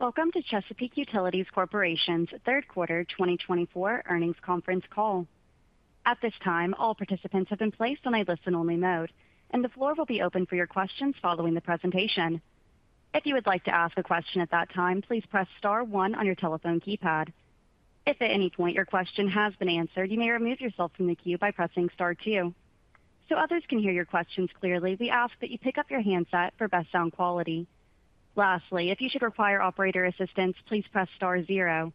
Welcome to Chesapeake Utilities Corporation's third quarter 2024 earnings conference call. At this time, all participants have been placed on a listen-only mode, and the floor will be open for your questions following the presentation. If you would like to ask a question at that time, please press Star 1 on your telephone keypad. If at any point your question has been answered, you may remove yourself from the queue by pressing Star 2. So others can hear your questions clearly, we ask that you pick up your handset for best sound quality. Lastly, if you should require operator assistance, please press Star 0.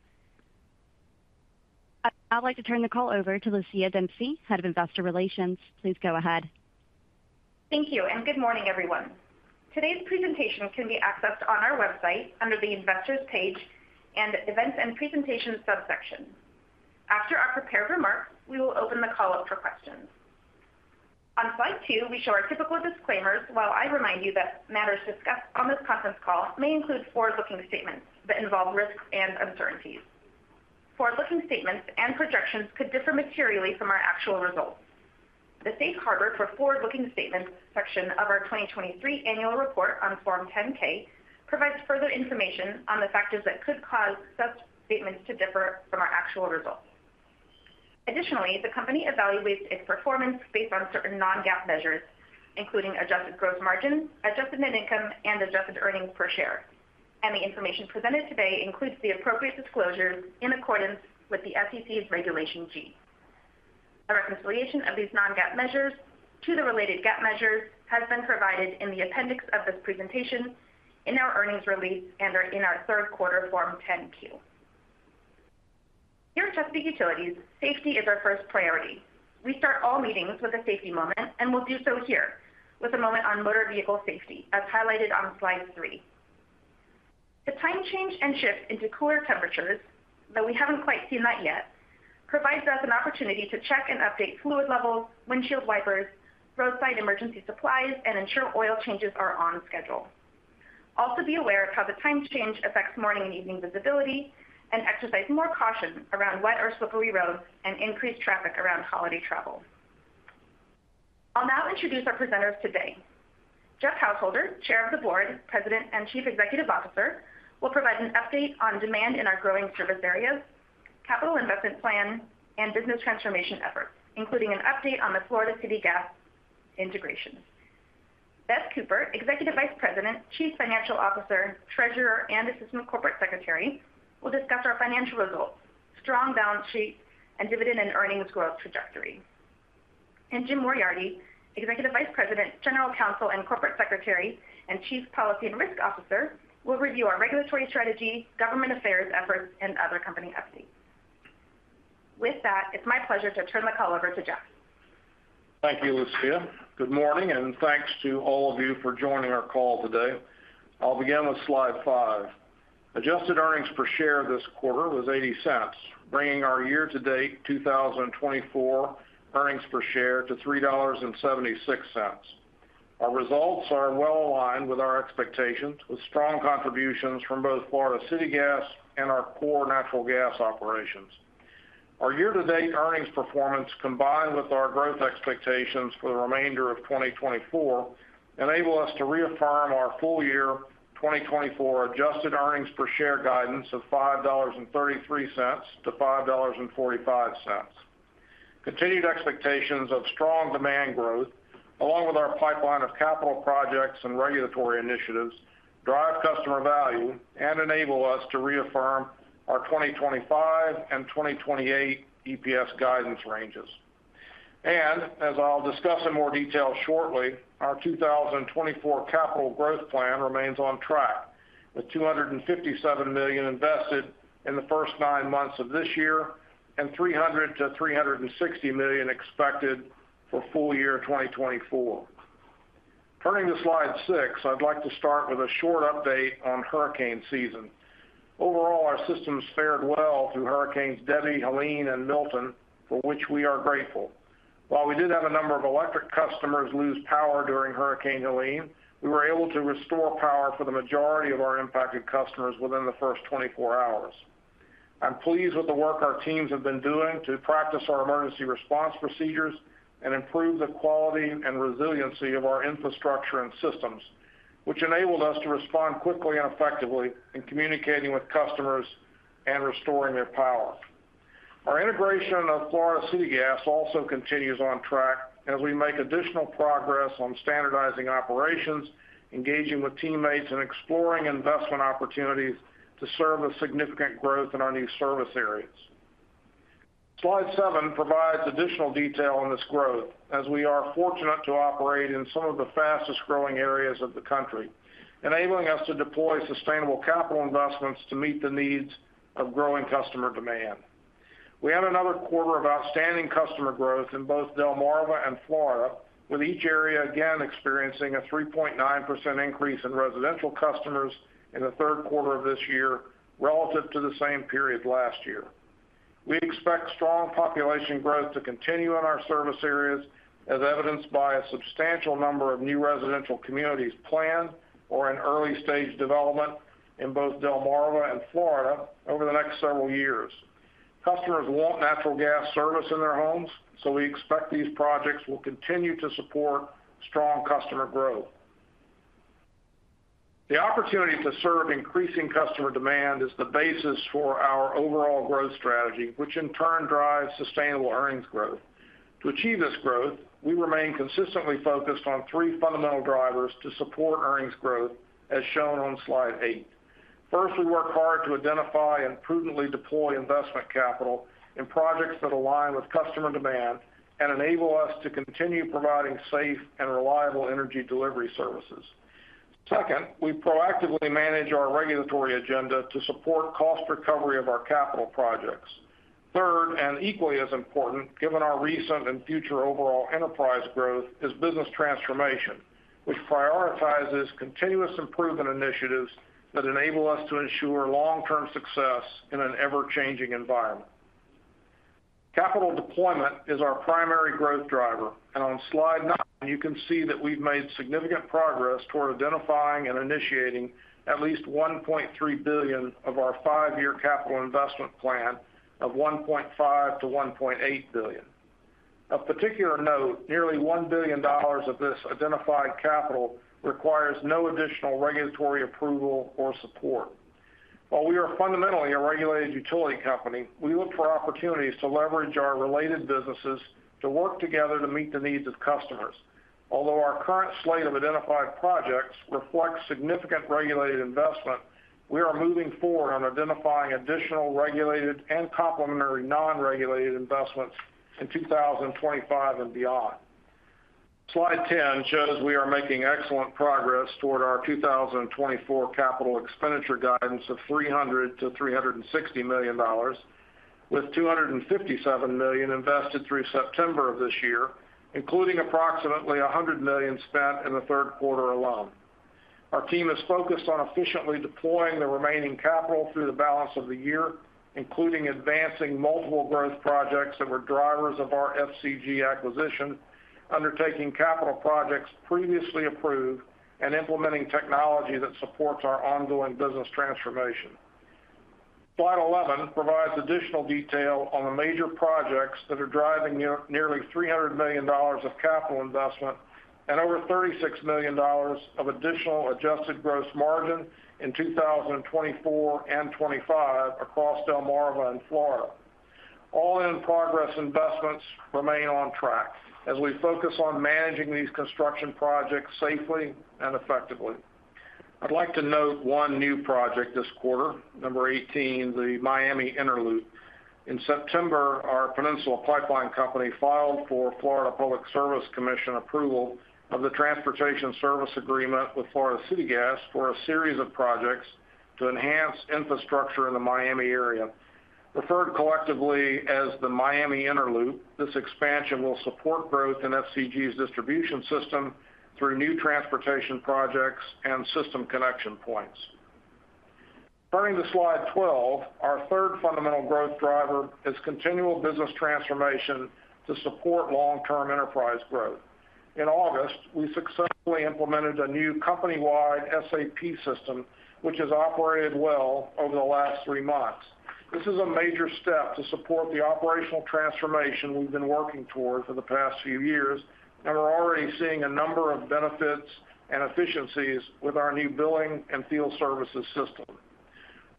I'd like to turn the call over to Lucia Dempsey, Head of Investor Relations. Please go ahead. Thank you, and good morning, everyone. Today's presentation can be accessed on our website under the Investors page and Events and Presentations subsection. After our prepared remarks, we will open the call up for questions. On slide two, we show our typical disclaimers while I remind you that matters discussed on this conference call may include forward-looking statements that involve risks and uncertainties. Forward-looking statements and projections could differ materially from our actual results. The safe harbor for forward-looking statements section of our 2023 annual report on Form 10-K provides further information on the factors that could cause such statements to differ from our actual results. Additionally, the company evaluates its performance based on certain non-GAAP measures, including adjusted gross margin, adjusted net income, and adjusted earnings per share, and the information presented today includes the appropriate disclosures in accordance with the SEC's Regulation G. A reconciliation of these non-GAAP measures to the related GAAP measures has been provided in the appendix of this presentation, in our earnings release, and in our third quarter Form 10-Q. Here at Chesapeake Utilities, safety is our first priority. We start all meetings with a safety moment, and we'll do so here with a moment on motor vehicle safety, as highlighted on slide three. The time change and shift into cooler temperatures, though we haven't quite seen that yet, provides us an opportunity to check and update fluid levels, windshield wipers, roadside emergency supplies, and ensure oil changes are on schedule. Also, be aware of how the time change affects morning and evening visibility and exercise more caution around wet or slippery roads and increased traffic around holiday travel. I'll now introduce our presenters today. Jeff Householder, Chair of the Board, President, and Chief Executive Officer, will provide an update on demand in our growing service areas, capital investment plan, and business transformation efforts, including an update on the Florida City Gas integration. Beth Cooper, Executive Vice President, Chief Financial Officer, Treasurer, and Assistant Corporate Secretary, will discuss our financial results, strong balance sheet, and dividend and earnings growth trajectory. And Jim Moriarty, Executive Vice President, General Counsel, and Corporate Secretary, and Chief Policy and Risk Officer, will review our regulatory strategy, government affairs efforts, and other company updates. With that, it's my pleasure to turn the call over to Jeff. Thank you, Lucia. Good morning, and thanks to all of you for joining our call today. I'll begin with slide five. Adjusted earnings per share this quarter was $0.80, bringing our year-to-date 2024 earnings per share to $3.76. Our results are well aligned with our expectations, with strong contributions from both Florida City Gas and our core natural gas operations. Our year-to-date earnings performance, combined with our growth expectations for the remainder of 2024, enables us to reaffirm our full-year 2024 adjusted earnings per share guidance of $5.33-$5.45. Continued expectations of strong demand growth, along with our pipeline of capital projects and regulatory initiatives, drive customer value and enable us to reaffirm our 2025 and 2028 EPS guidance ranges. And as I'll discuss in more detail shortly, our 2024 capital growth plan remains on track, with $257 million invested in the first nine months of this year and $300-$360 million expected for full-year 2024. Turning to slide six, I'd like to start with a short update on hurricane season. Overall, our systems fared well through Hurricanes Debby, Helene, and Milton, for which we are grateful. While we did have a number of electric customers lose power during Hurricane Helene, we were able to restore power for the majority of our impacted customers within the first 24 hours. I'm pleased with the work our teams have been doing to practice our emergency response procedures and improve the quality and resiliency of our infrastructure and systems, which enabled us to respond quickly and effectively in communicating with customers and restoring their power. Our integration of Florida City Gas also continues on track as we make additional progress on standardizing operations, engaging with teammates, and exploring investment opportunities to serve a significant growth in our new service areas. Slide seven provides additional detail on this growth, as we are fortunate to operate in some of the fastest-growing areas of the country, enabling us to deploy sustainable capital investments to meet the needs of growing customer demand. We had another quarter of outstanding customer growth in both Delmarva and Florida, with each area again experiencing a 3.9% increase in residential customers in the third quarter of this year relative to the same period last year. We expect strong population growth to continue in our service areas, as evidenced by a substantial number of new residential communities planned or in early-stage development in both Delmarva and Florida over the next several years. Customers want natural gas service in their homes, so we expect these projects will continue to support strong customer growth. The opportunity to serve increasing customer demand is the basis for our overall growth strategy, which in turn drives sustainable earnings growth. To achieve this growth, we remain consistently focused on three fundamental drivers to support earnings growth, as shown on slide eight. First, we work hard to identify and prudently deploy investment capital in projects that align with customer demand and enable us to continue providing safe and reliable energy delivery services. Second, we proactively manage our regulatory agenda to support cost recovery of our capital projects. Third, and equally as important, given our recent and future overall enterprise growth, is business transformation, which prioritizes continuous improvement initiatives that enable us to ensure long-term success in an ever-changing environment. Capital deployment is our primary growth driver, and on slide nine, you can see that we've made significant progress toward identifying and initiating at least $1.3 billion of our five-year capital investment plan of $1.5-$1.8 billion. Of particular note, nearly $1 billion of this identified capital requires no additional regulatory approval or support. While we are fundamentally a regulated utility company, we look for opportunities to leverage our related businesses to work together to meet the needs of customers. Although our current slate of identified projects reflects significant regulated investment, we are moving forward on identifying additional regulated and complementary non-regulated investments in 2025 and beyond. Slide 10 shows we are making excellent progress toward our 2024 capital expenditure guidance of $300-$360 million, with $257 million invested through September of this year, including approximately $100 million spent in the third quarter alone. Our team is focused on efficiently deploying the remaining capital through the balance of the year, including advancing multiple growth projects that were drivers of our FCG acquisition, undertaking capital projects previously approved, and implementing technology that supports our ongoing business transformation. Slide 11 provides additional detail on the major projects that are driving nearly $300 million of capital investment and over $36 million of additional adjusted gross margin in 2024 and 2025 across Delmarva and Florida. All in-progress investments remain on track as we focus on managing these construction projects safely and effectively. I'd like to note one new project this quarter, number 18, the Miami Inner Loop. In September, our Peninsula Pipeline Company filed for Florida Public Service Commission approval of the Transportation Service Agreement with Florida City Gas for a series of projects to enhance infrastructure in the Miami area. Referred collectively as the Miami Inner Loop, this expansion will support growth in FCG's distribution system through new transportation projects and system connection points. Turning to slide 12, our third fundamental growth driver is continual business transformation to support long-term enterprise growth. In August, we successfully implemented a new company-wide SAP system, which has operated well over the last three months. This is a major step to support the operational transformation we've been working toward for the past few years, and we're already seeing a number of benefits and efficiencies with our new billing and field services system.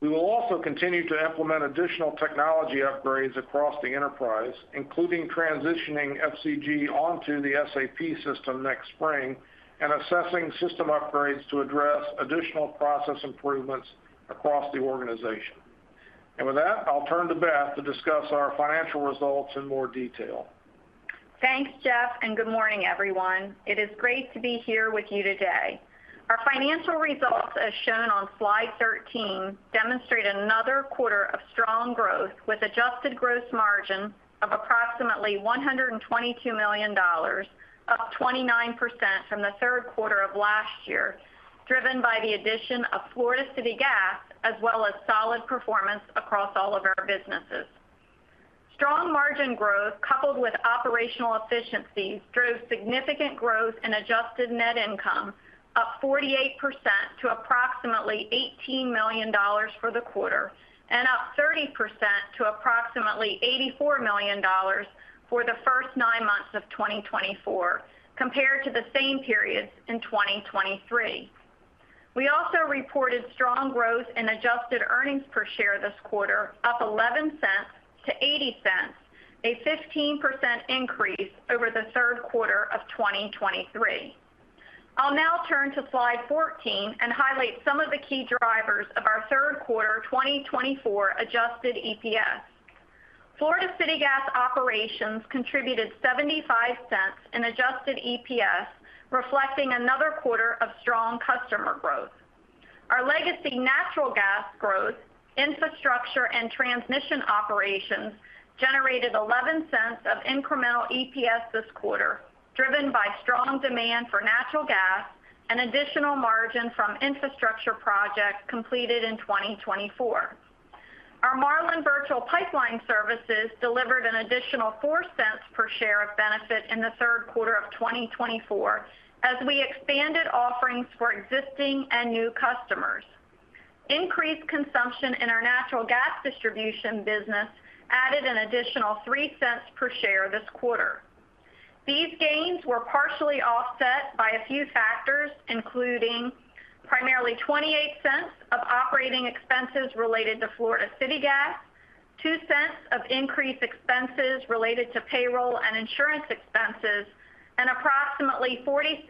We will also continue to implement additional technology upgrades across the enterprise, including transitioning FCG onto the SAP system next spring and assessing system upgrades to address additional process improvements across the organization. And with that, I'll turn to Beth to discuss our financial results in more detail. Thanks, Jeff, and good morning, everyone. It is great to be here with you today. Our financial results, as shown on slide 13, demonstrate another quarter of strong growth with adjusted gross margin of approximately $122 million, up 29% from the third quarter of last year, driven by the addition of Florida City Gas, as well as solid performance across all of our businesses. Strong margin growth, coupled with operational efficiencies, drove significant growth in adjusted net income, up 48% to approximately $18 million for the quarter and up 30% to approximately $84 million for the first nine months of 2024, compared to the same period in 2023. We also reported strong growth in adjusted earnings per share this quarter, up $0.11 to $0.80, a 15% increase over the third quarter of 2023. I'll now turn to slide 14 and highlight some of the key drivers of our third quarter 2024 adjusted EPS. Florida City Gas operations contributed 75 cents in adjusted EPS, reflecting another quarter of strong customer growth. Our legacy natural gas growth, infrastructure, and transmission operations generated 11 cents of incremental EPS this quarter, driven by strong demand for natural gas and additional margin from infrastructure projects completed in 2024. Our Marlin Virtual Pipeline Services delivered an additional 4 cents per share of benefit in the third quarter of 2024 as we expanded offerings for existing and new customers. Increased consumption in our natural gas distribution business added an additional 3 cents per share this quarter. These gains were partially offset by a few factors, including primarily $0.28 of operating expenses related to Florida City Gas, $0.02 of increased expenses related to payroll and insurance expenses, and approximately $0.46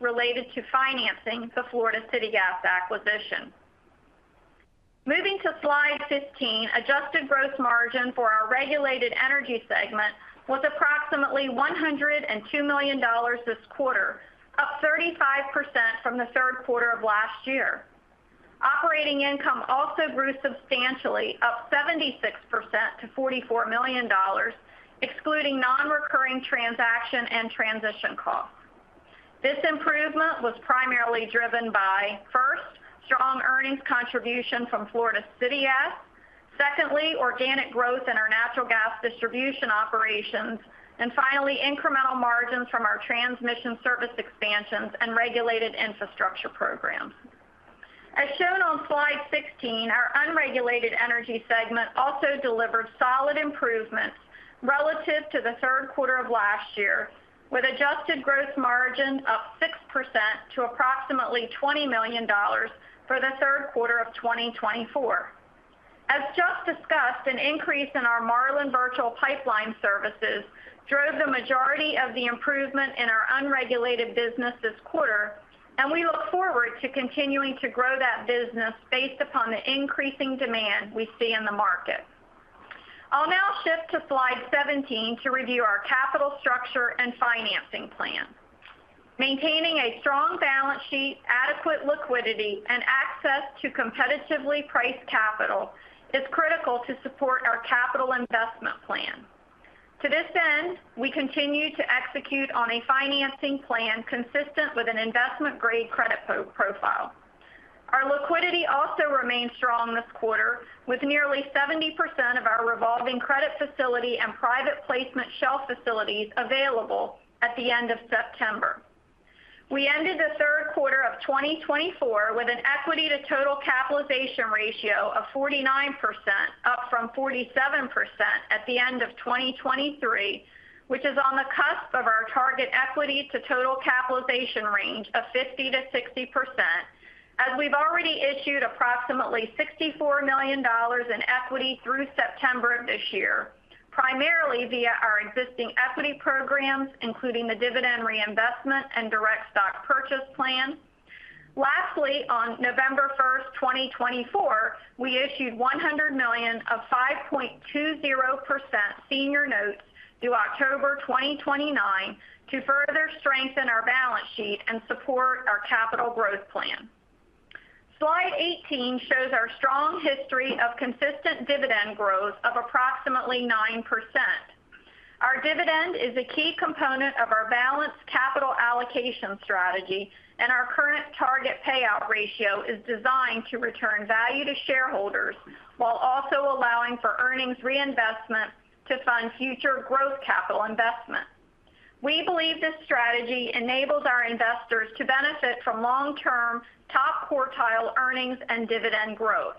related to financing the Florida City Gas acquisition. Moving to slide 15, adjusted gross margin for our regulated energy segment was approximately $102 million this quarter, up 35% from the third quarter of last year. Operating income also grew substantially, up 76% to $44 million, excluding non-recurring transaction and transition costs. This improvement was primarily driven by, first, strong earnings contribution from Florida City Gas, secondly, organic growth in our natural gas distribution operations, and finally, incremental margins from our transmission service expansions and regulated infrastructure programs. As shown on slide 16, our unregulated energy segment also delivered solid improvements relative to the third quarter of last year, with adjusted gross margin up 6% to approximately $20 million for the third quarter of 2024. As just discussed, an increase in our Marlin Virtual Pipeline Services drove the majority of the improvement in our unregulated business this quarter, and we look forward to continuing to grow that business based upon the increasing demand we see in the market. I'll now shift to slide 17 to review our capital structure and financing plan. Maintaining a strong balance sheet, adequate liquidity, and access to competitively priced capital is critical to support our capital investment plan. To this end, we continue to execute on a financing plan consistent with an investment-grade credit profile. Our liquidity also remained strong this quarter, with nearly 70% of our revolving credit facility and private placement shelf facilities available at the end of September. We ended the third quarter of 2024 with an equity-to-total capitalization ratio of 49%, up from 47% at the end of 2023, which is on the cusp of our target equity-to-total capitalization range of 50%-60%, as we've already issued approximately $64 million in equity through September of this year, primarily via our existing equity programs, including the Dividend Reinvestment and Direct Stock Purchase Plan. Lastly, on November 1, 2024, we issued $100 million of 5.20% senior notes through October 2029 to further strengthen our balance sheet and support our capital growth plan. Slide 18 shows our strong history of consistent dividend growth of approximately 9%. Our dividend is a key component of our balanced capital allocation strategy, and our current target payout ratio is designed to return value to shareholders while also allowing for earnings reinvestment to fund future growth capital investment. We believe this strategy enables our investors to benefit from long-term top quartile earnings and dividend growth.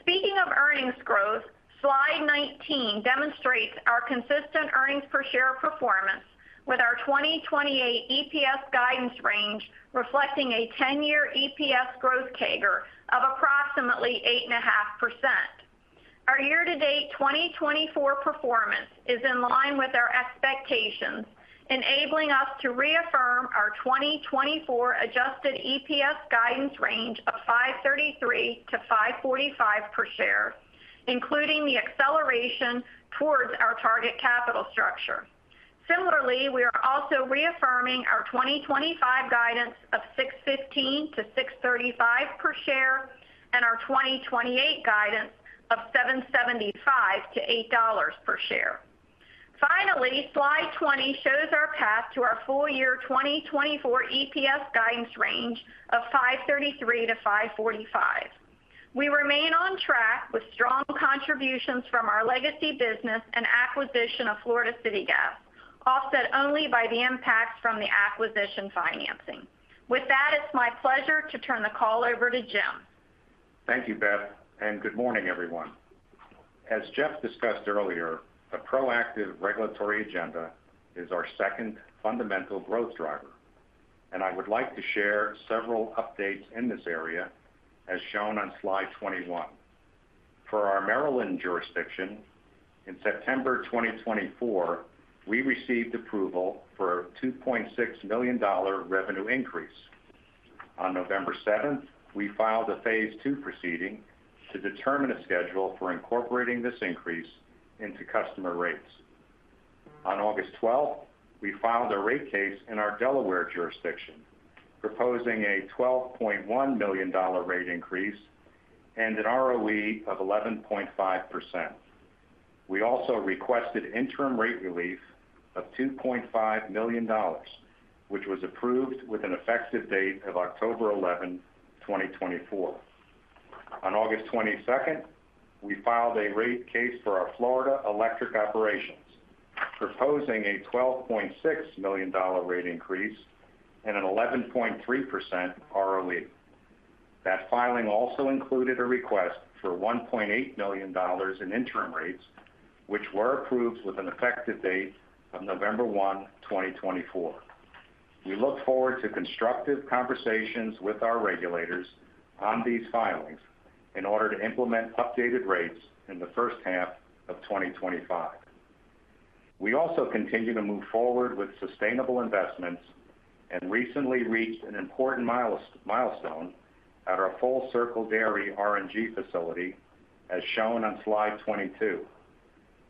Speaking of earnings growth, slide 19 demonstrates our consistent earnings per share performance, with our 2028 EPS guidance range reflecting a 10-year EPS growth CAGR of approximately 8.5%. Our year-to-date 2024 performance is in line with our expectations, enabling us to reaffirm our 2024 adjusted EPS guidance range of $5.33-$5.45 per share, including the acceleration towards our target capital structure. Similarly, we are also reaffirming our 2025 guidance of $6.15-$6.35 per share and our 2028 guidance of $7.75-$8 per share. Finally, slide 20 shows our path to our full year 2024 EPS guidance range of 5.33-5.45. We remain on track with strong contributions from our legacy business and acquisition of Florida City Gas, offset only by the impacts from the acquisition financing. With that, it's my pleasure to turn the call over to Jim. Thank you, Beth, and good morning, everyone. As Jeff discussed earlier, a proactive regulatory agenda is our second fundamental growth driver, and I would like to share several updates in this area, as shown on slide 21. For our Maryland jurisdiction, in September 2024, we received approval for a $2.6 million revenue increase. On November 7, we filed a phase two proceeding to determine a schedule for incorporating this increase into customer rates. On August 12, we filed a rate case in our Delaware jurisdiction, proposing a $12.1 million rate increase and an ROE of 11.5%. We also requested interim rate relief of $2.5 million, which was approved with an effective date of October 11, 2024. On August 22, we filed a rate case for our Florida Electric Operations, proposing a $12.6 million rate increase and an 11.3% ROE. That filing also included a request for $1.8 million in interim rates, which were approved with an effective date of November 1, 2024. We look forward to constructive conversations with our regulators on these filings in order to implement updated rates in the first half of 2025. We also continue to move forward with sustainable investments and recently reached an important milestone at our Full Circle Dairy RNG facility, as shown on slide 22.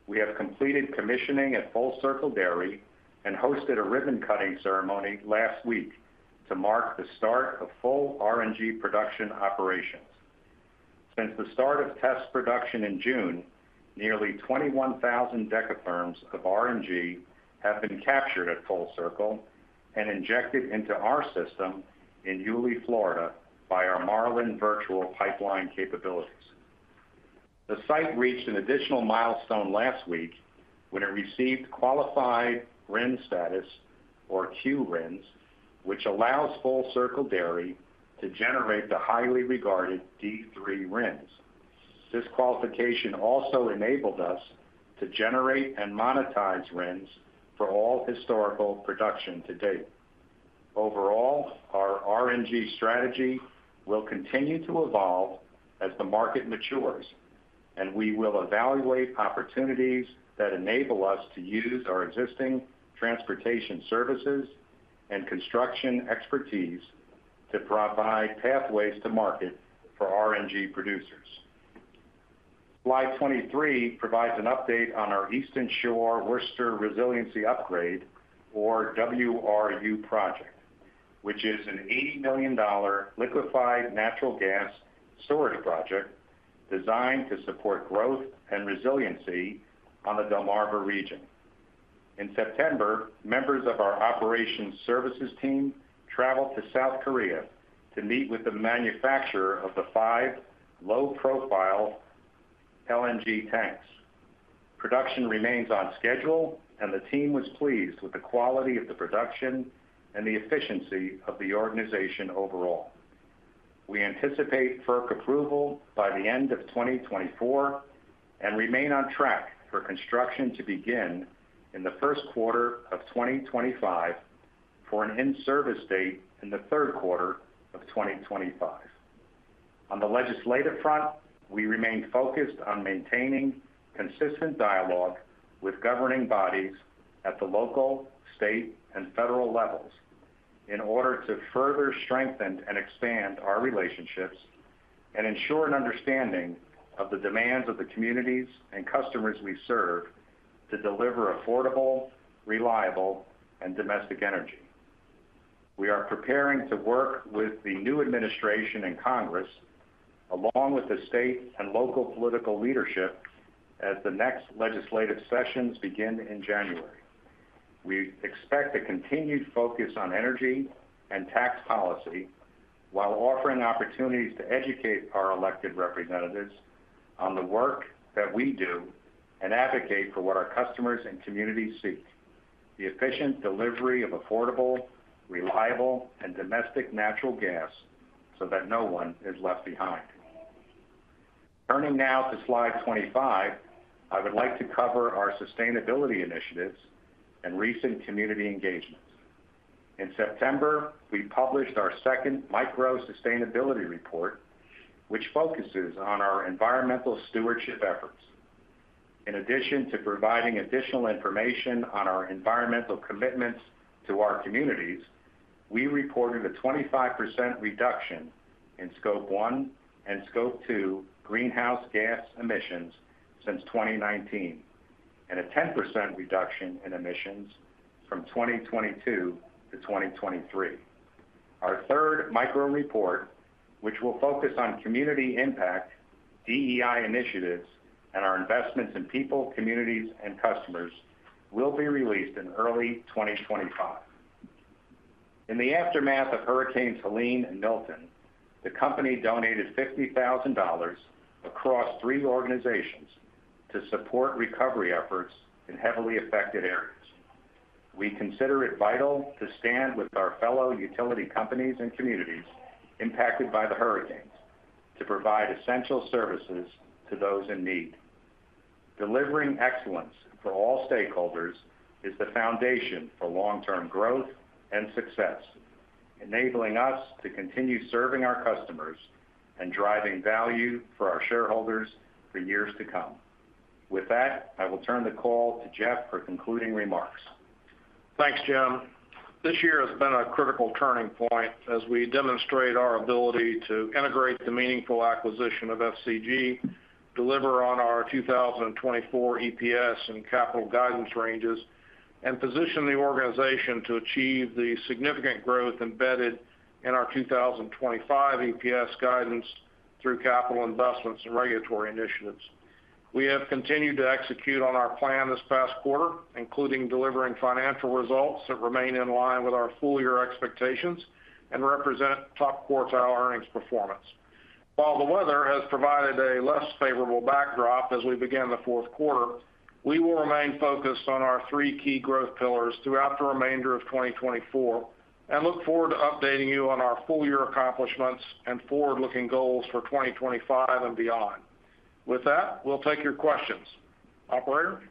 We have completed commissioning at Full Circle Dairy and hosted a ribbon-cutting ceremony last week to mark the start of full RNG production operations. Since the start of test production in June, nearly 21,000 dekatherms of RNG have been captured at Full Circle and injected into our system in Yulee, Florida, by our Marlin Virtual Pipeline capabilities. The site reached an additional milestone last week when it received qualified RIN status, or QRINs, which allows Full Circle Dairy to generate the highly regarded D3 RINs. This qualification also enabled us to generate and monetize RINs for all historical production to date. Overall, our RNG strategy will continue to evolve as the market matures, and we will evaluate opportunities that enable us to use our existing transportation services and construction expertise to provide pathways to market for RNG producers. Slide 23 provides an update on our Eastern Shore Worcester Resiliency Upgrade, or WRU project, which is an $80 million liquefied natural gas storage project designed to support growth and resiliency on the Delmarva region. In September, members of our operations services team traveled to South Korea to meet with the manufacturer of the five low-profile LNG tanks. Production remains on schedule, and the team was pleased with the quality of the production and the efficiency of the organization overall. We anticipate FERC approval by the end of 2024 and remain on track for construction to begin in the first quarter of 2025 for an in-service date in the third quarter of 2025. On the legislative front, we remain focused on maintaining consistent dialogue with governing bodies at the local, state, and federal levels in order to further strengthen and expand our relationships and ensure an understanding of the demands of the communities and customers we serve to deliver affordable, reliable, and domestic energy. We are preparing to work with the new administration and Congress, along with the state and local political leadership, as the next legislative sessions begin in January. We expect a continued focus on energy and tax policy while offering opportunities to educate our elected representatives on the work that we do and advocate for what our customers and communities seek: the efficient delivery of affordable, reliable, and domestic natural gas so that no one is left behind. Turning now to slide 25, I would like to cover our sustainability initiatives and recent community engagements. In September, we published our second Micro Sustainability Report, which focuses on our environmental stewardship efforts. In addition to providing additional information on our environmental commitments to our communities, we reported a 25% reduction in Scope 1 and Scope 2 greenhouse gas emissions since 2019 and a 10% reduction in emissions from 2022 to 2023. Our third micro report, which will focus on community impact, DEI initiatives, and our investments in people, communities, and customers, will be released in early 2025. In the aftermath of Hurricanes Helene and Milton, the company donated $50,000 across three organizations to support recovery efforts in heavily affected areas. We consider it vital to stand with our fellow utility companies and communities impacted by the hurricanes to provide essential services to those in need. Delivering excellence for all stakeholders is the foundation for long-term growth and success, enabling us to continue serving our customers and driving value for our shareholders for years to come. With that, I will turn the call to Jeff for concluding remarks. Thanks, Jim. This year has been a critical turning point as we demonstrate our ability to integrate the meaningful acquisition of FCG, deliver on our 2024 EPS and capital guidance ranges, and position the organization to achieve the significant growth embedded in our 2025 EPS guidance through capital investments and regulatory initiatives. We have continued to execute on our plan this past quarter, including delivering financial results that remain in line with our full year expectations and represent top quartile earnings performance. While the weather has provided a less favorable backdrop as we begin the fourth quarter, we will remain focused on our three key growth pillars throughout the remainder of 2024 and look forward to updating you on our full year accomplishments and forward-looking goals for 2025 and beyond. With that, we'll take your questions. Operator?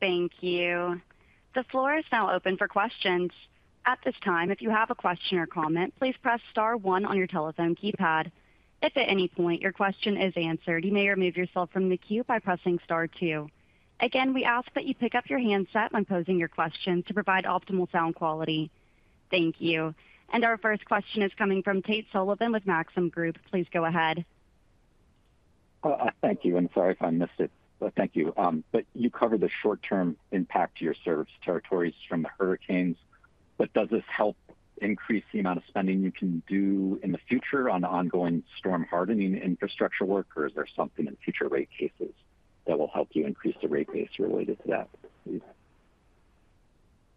Thank you. The floor is now open for questions. At this time, if you have a question or comment, please press star one on your telephone keypad. If at any point your question is answered, you may remove yourself from the queue by pressing star two. Again, we ask that you pick up your handset when posing your question to provide optimal sound quality. Thank you. And our first question is coming from Tate Sullivan with Maxim Group. Please go ahead. Thank you. I'm sorry if I missed it, but thank you, but you covered the short-term impact to your service territories from the hurricanes, but does this help increase the amount of spending you can do in the future on ongoing storm hardening infrastructure work, or is there something in future rate cases that will help you increase the rate base related to that?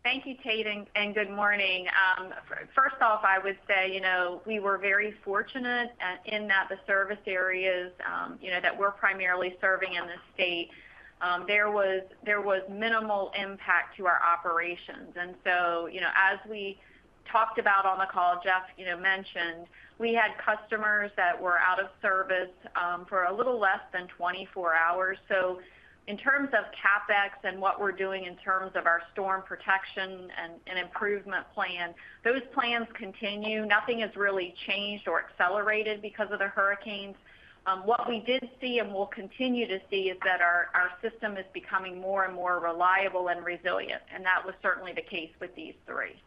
Thank you, Tate, and good morning. First off, I would say, you know, we were very fortunate in that the service areas that we're primarily serving in the state, there was minimal impact to our operations, and so, you know, as we talked about on the call, Jeff, you know, mentioned, we had customers that were out of service for a little less than 24 hours, so in terms of CapEx and what we're doing in terms of our storm protection and improvement plan, those plans continue. Nothing has really changed or accelerated because of the hurricanes. What we did see and will continue to see is that our system is becoming more and more reliable and resilient, and that was certainly the case with these three.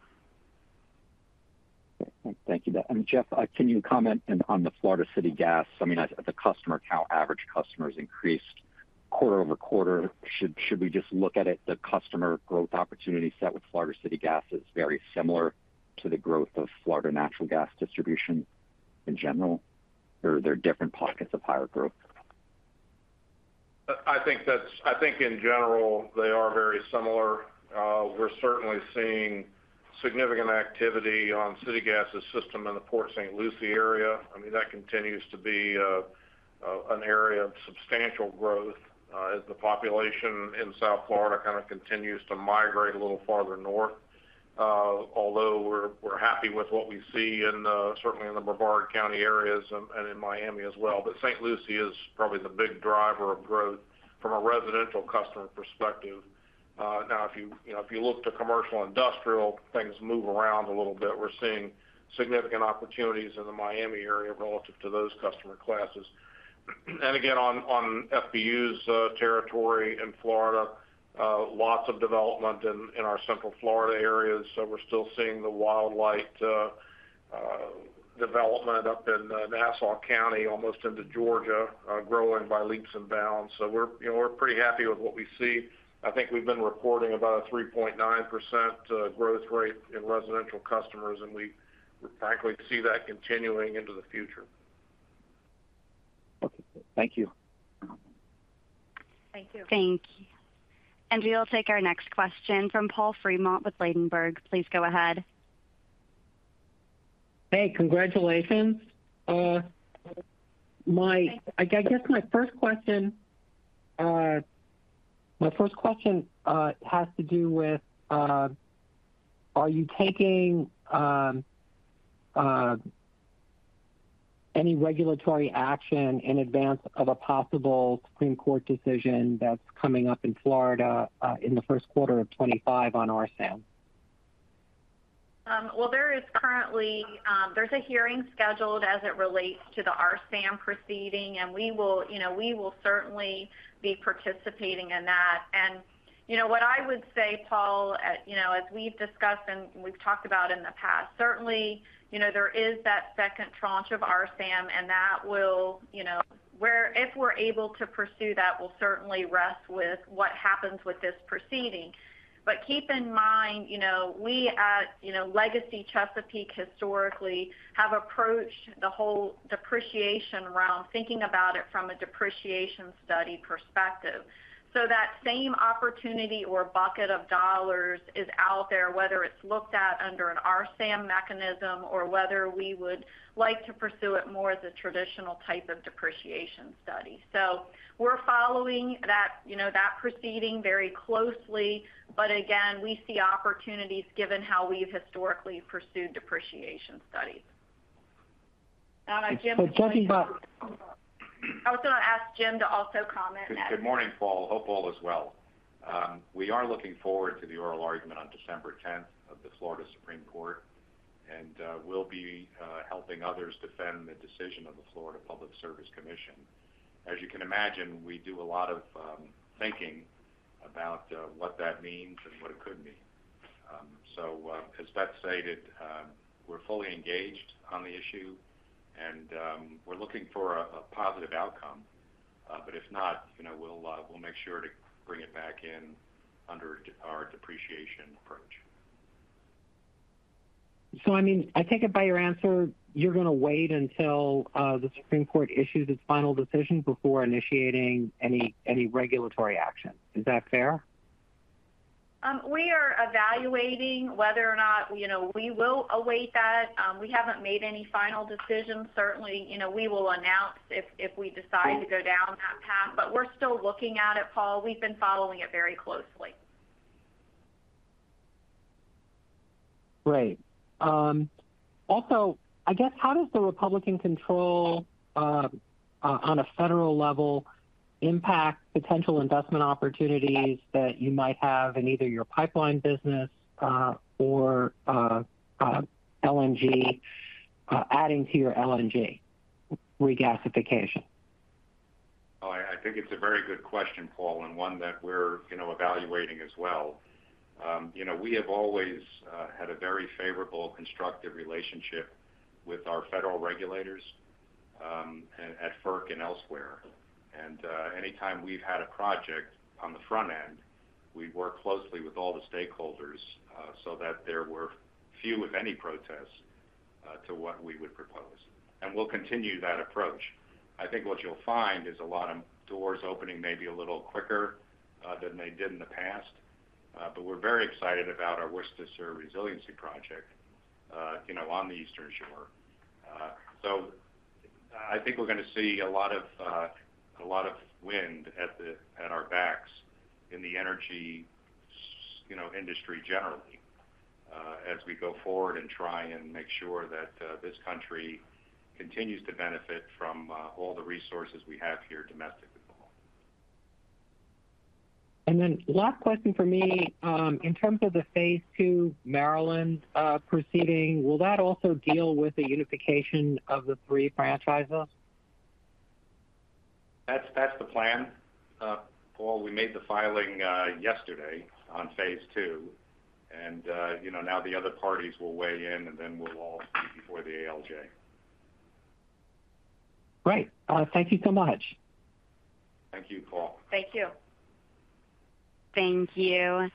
Thank you, Beth. And Jeff, can you comment on Florida City Gas? I mean, as a customer, how average customers increased quarter over quarter. Should we just look at it? The customer growth opportunity set with Florida City Gas is very similar to the growth of Florida natural gas distribution in general, or are there different pockets of higher growth? I think in general, they are very similar. We're certainly seeing significant activity on FCG's system in the Port St. Lucie area. I mean, that continues to be an area of substantial growth as the population in South Florida kind of continues to migrate a little farther north. Although we're happy with what we see in, certainly in the Brevard County areas and in Miami as well, but St. Lucie is probably the big driver of growth from a residential customer perspective. Now, if you look to commercial industrial, things move around a little bit. We're seeing significant opportunities in the Miami area relative to those customer classes. And again, on FPU's territory in Florida, lots of development in our Central Florida areas. So we're still seeing the wildlife development up in Nassau County, almost into Georgia, growing by leaps and bounds. We're pretty happy with what we see. I think we've been reporting about a 3.9% growth rate in residential customers, and we frankly see that continuing into the future. Okay. Thank you. Thank you. Thank you. And we'll take our next question from Paul Fremont with Ladenburg Thalmann. Please go ahead. Hey, congratulations. My first question has to do with, are you taking any regulatory action in advance of a possible Supreme Court decision that's coming up in Florida in the first quarter of 2025 on RSAM? Well, there is currently a hearing scheduled as it relates to the RSAM proceeding, and we will, you know, we will certainly be participating in that, and, you know, what I would say, Paul, you know, as we've discussed and we've talked about in the past, certainly, you know, there is that second tranche of RSAM, and that will, you know, where if we're able to pursue that, we'll certainly rest with what happens with this proceeding, but keep in mind, you know, we at, you know, Legacy Chesapeake historically have approached the whole depreciation realm, thinking about it from a depreciation study perspective, so that same opportunity or bucket of dollars is out there, whether it's looked at under an RSAM mechanism or whether we would like to pursue it more as a traditional type of depreciation study, so we're following that, you know, that proceeding very closely. But again, we see opportunities given how we've historically pursued depreciation studies. Now, Jim. Talking about. I was going to ask Jim to also comment. Good morning, Paul. Hope all is well. We are looking forward to the oral argument on December 10th of the Florida Supreme Court, and we'll be helping others defend the decision of the Florida Public Service Commission. As you can imagine, we do a lot of thinking about what that means and what it could mean. So as Beth stated, we're fully engaged on the issue, and we're looking for a positive outcome. But if not, you know, we'll make sure to bring it back in under our depreciation approach. So, I mean, I take it by your answer, you're going to wait until the Supreme Court issues its final decision before initiating any regulatory action. Is that fair? We are evaluating whether or not, you know, we will await that. We haven't made any final decision. Certainly, you know, we will announce if we decide to go down that path, but we're still looking at it, Paul. We've been following it very closely. Great. Also, I guess, how does the Republican control on a federal level impact potential investment opportunities that you might have in either your pipeline business or LNG, adding to your LNG regasification? Oh, I think it's a very good question, Paul, and one that we're, you know, evaluating as well. You know, we have always had a very favorable constructive relationship with our federal regulators at FERC and elsewhere, and anytime we've had a project on the front end, we work closely with all the stakeholders so that there were few, if any, protests to what we would propose, and we'll continue that approach. I think what you'll find is a lot of doors opening maybe a little quicker than they did in the past, but we're very excited about our Worcester resiliency project, you know, on the Eastern Shore. So, I think we're going to see a lot of wind at our backs in the energy, you know, industry generally as we go forward and try and make sure that this country continues to benefit from all the resources we have here domestically. And then last question for me, in terms of the phase two Maryland proceeding, will that also deal with the unification of the three franchises? That's the plan. Paul, we made the filing yesterday on phase two, and, you know, now the other parties will weigh in, and then we'll all speak before the ALJ. Great. Thank you so much. Thank you, Paul. Thank you. Thank you.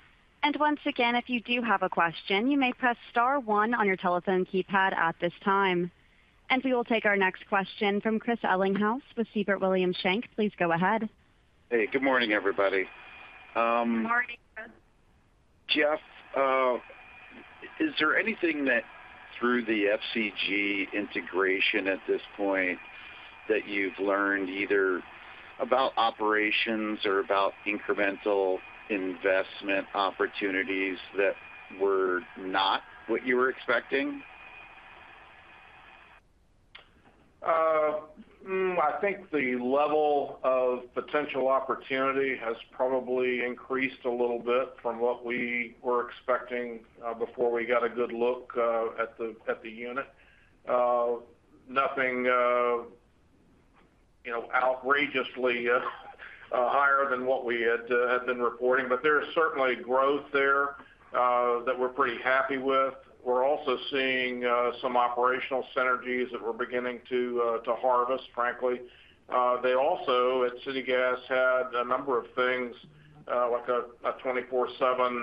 Once again, if you do have a question, you may press star one on your telephone keypad at this time. We will take our next question from Chris Ellinghaus with Siebert Williams Shank. Please go ahead. Hey, good morning, everybody. Good morning, Chris. Jeff, is there anything that through the FCG integration at this point that you've learned either about operations or about incremental investment opportunities that were not what you were expecting? I think the level of potential opportunity has probably increased a little bit from what we were expecting before we got a good look at the unit. Nothing, you know, outrageously higher than what we had been reporting, but there is certainly growth there that we're pretty happy with. We're also seeing some operational synergies that we're beginning to harvest, frankly. They also at Florida City Gas had a number of things like a 24/7,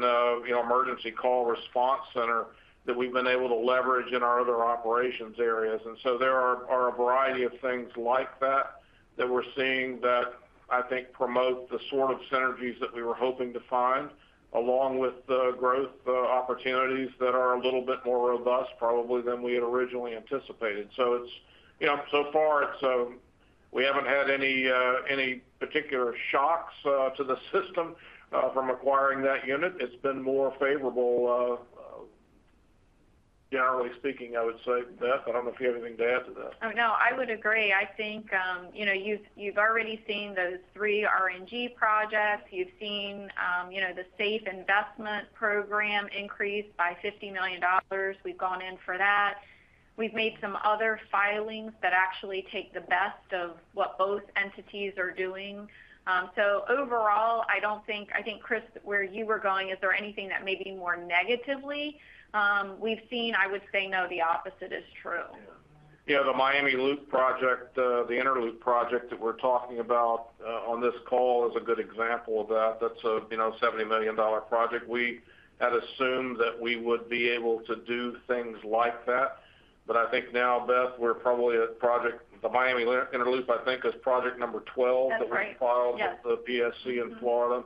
you know, emergency call response center that we've been able to leverage in our other operations areas. And so there are a variety of things like that that we're seeing that I think promote the sort of synergies that we were hoping to find along with the growth opportunities that are a little bit more robust probably than we had originally anticipated. So it's, you know, so far we haven't had any particular shocks to the system from acquiring that unit. It's been more favorable, generally speaking, I would say, Beth. I don't know if you have anything to add to that. Oh, no, I would agree. I think, you know, you've already seen those three RNG projects. You've seen, you know, the SAFE investment program increase by $50 million. We've gone in for that. We've made some other filings that actually take the best of what both entities are doing. So overall, I don't think, I think, Chris, where you were going, is there anything that may be more negatively? We've seen, I would say, no, the opposite is true. Yeah, the Miami Inner Loop project, the Inner Loop project that we're talking about on this call is a good example of that. That's a, you know, $70 million project. We had assumed that we would be able to do things like that, but I think now, Beth, we're probably at project, the Miami Inner Loop, I think is project number 12 that we filed with the PSC in Florida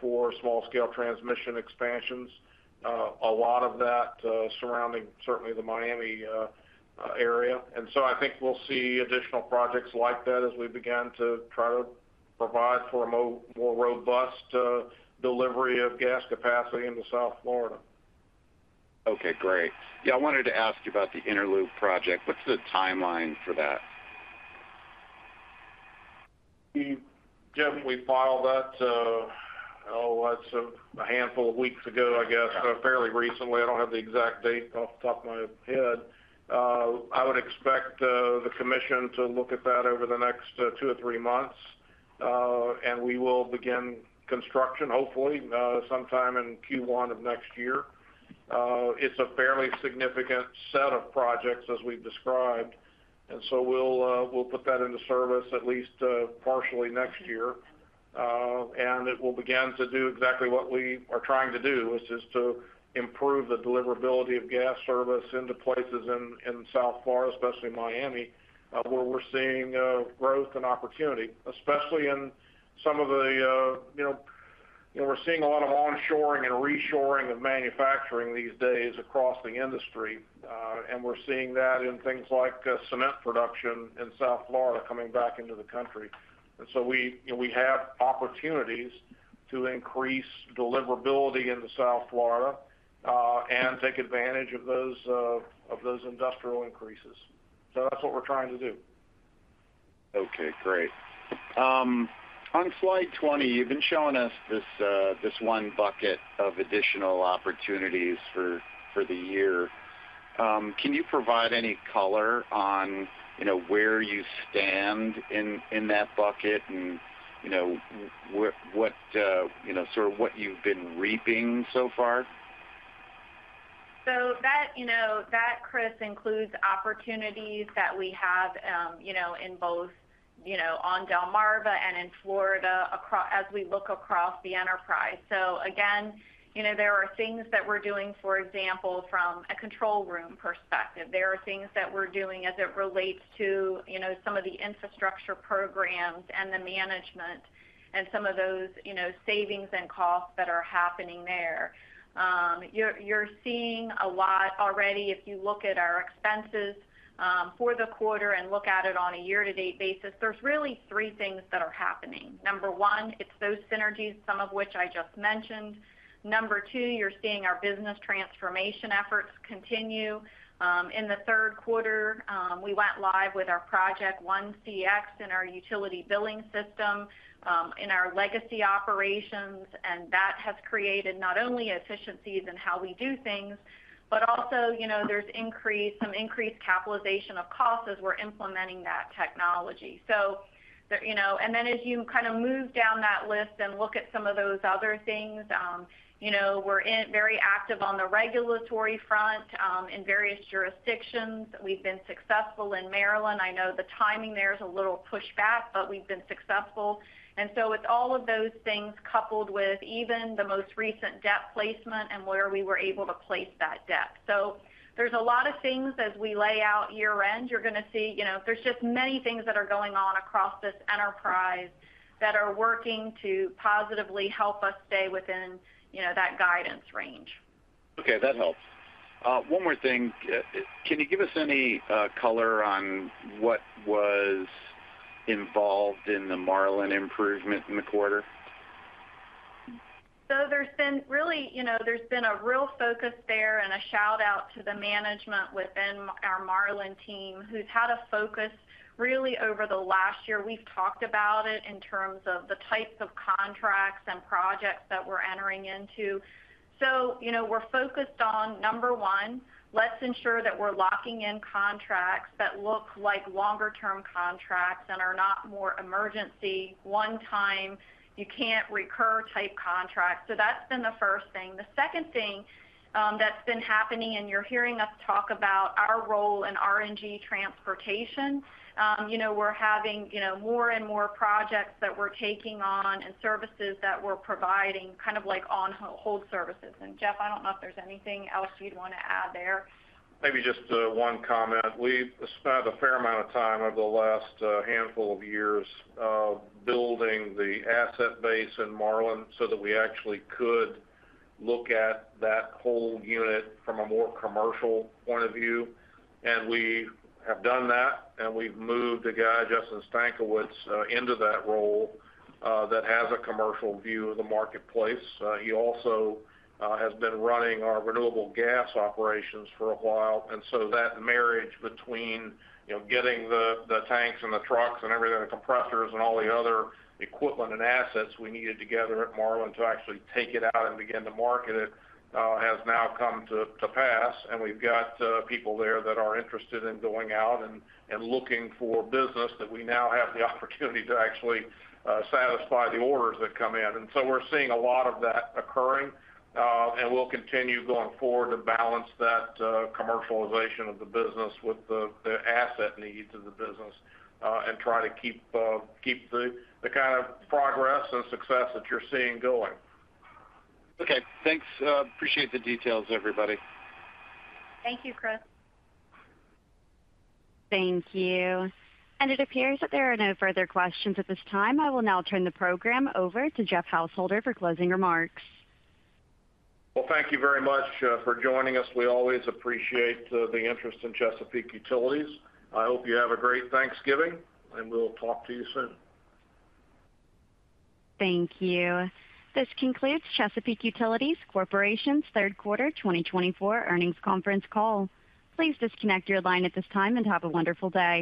for small-scale transmission expansions, a lot of that surrounding certainly the Miami area. And so I think we'll see additional projects like that as we begin to try to provide for a more robust delivery of gas capacity into South Florida. Okay, great. Yeah, I wanted to ask you about the Inner Loop project. What's the timeline for that? Jeff, we filed that a handful of weeks ago, I guess, so fairly recently. I don't have the exact date off the top of my head. I would expect the commission to look at that over the next two or three months, and we will begin construction hopefully sometime in Q1 of next year. It's a fairly significant set of projects as we've described, and so we'll put that into service at least partially next year, and it will begin to do exactly what we are trying to do, which is to improve the deliverability of gas service into places in South Florida, especially Miami, where we're seeing growth and opportunity, especially in some of the, you know, we're seeing a lot of onshoring and reshoring of manufacturing these days across the industry, and we're seeing that in things like cement production in South Florida coming back into the country. And so we have opportunities to increase deliverability into South Florida and take advantage of those industrial increases. So that's what we're trying to do. Okay, great. On slide 20, you've been showing us this one bucket of additional opportunities for the year. Can you provide any color on, you know, where you stand in that bucket and, you know, what, you know, sort of what you've been reaping so far? So that, you know, that, Chris, includes opportunities that we have, you know, in both, you know, on Delmarva and in Florida as we look across the enterprise. So again, you know, there are things that we're doing, for example, from a control room perspective. There are things that we're doing as it relates to, you know, some of the infrastructure programs and the management and some of those, you know, savings and costs that are happening there. You're seeing a lot already. If you look at our expenses for the quarter and look at it on a year-to-date basis, there's really three things that are happening. Number one, it's those synergies, some of which I just mentioned. Number two, you're seeing our business transformation efforts continue. In the third quarter, we went live with our Project 1CX in our utility billing system in our legacy operations, and that has created not only efficiencies in how we do things, but also, you know, there's increase, some increased capitalization of costs as we're implementing that technology. So, you know, and then as you kind of move down that list and look at some of those other things, you know, we're very active on the regulatory front in various jurisdictions. We've been successful in Maryland. I know the timing there is a little pushback, but we've been successful. And so it's all of those things coupled with even the most recent debt placement and where we were able to place that debt. So there's a lot of things as we lay out year-end. You're going to see, you know, there's just many things that are going on across this enterprise that are working to positively help us stay within, you know, that guidance range. Okay, that helps. One more thing. Can you give us any color on what was involved in the Marlin improvement in the quarter? So there's been really, you know, there's been a real focus there and a shout-out to the management within our Marlin team who's had a focus really over the last year. We've talked about it in terms of the types of contracts and projects that we're entering into. So, you know, we're focused on, number one, let's ensure that we're locking in contracts that look like longer-term contracts and are not more emergency, one-time, you can't recur type contracts. So that's been the first thing. The second thing that's been happening, and you're hearing us talk about our role in RNG transportation, you know, we're having, you know, more and more projects that we're taking on and services that we're providing kind of like haul services. And Jeff, I don't know if there's anything else you'd want to add there. Maybe just one comment. We've spent a fair amount of time over the last handful of years building the asset base in Marlin so that we actually could look at that whole unit from a more commercial point of view. And we have done that, and we've moved to guide Justin Stankiewicz into that role that has a commercial view of the marketplace. He also has been running our renewable gas operations for a while. And so that marriage between, you know, getting the tanks and the trucks and everything, the compressors and all the other equipment and assets we needed together at Marlin to actually take it out and begin to market it has now come to pass. And we've got people there that are interested in going out and looking for business that we now have the opportunity to actually satisfy the orders that come in. And so we're seeing a lot of that occurring, and we'll continue going forward to balance that commercialization of the business with the asset needs of the business and try to keep the kind of progress and success that you're seeing going. Okay, thanks. Appreciate the details, everybody. Thank you, Chris. Thank you. And it appears that there are no further questions at this time. I will now turn the program over to Jeff Householder for closing remarks. Thank you very much for joining us. We always appreciate the interest in Chesapeake Utilities. I hope you have a great Thanksgiving, and we'll talk to you soon. Thank you. This concludes Chesapeake Utilities Corporation's third quarter 2024 earnings conference call. Please disconnect your line at this time and have a wonderful day.